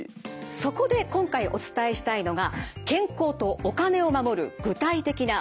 そこで今回お伝えしたいのが健康とお金を守る具体的な方法です。